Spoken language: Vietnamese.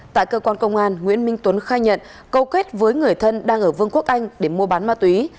tại cơ quan công an nguyễn minh tuấn khai nhận câu kết với người thân đang ở vương quốc anh để mua bán ma túy